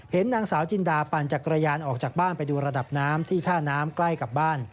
นางสาวจินดาปั่นจักรยานออกจากบ้านไปดูระดับน้ำที่ท่าน้ำใกล้กับบ้าน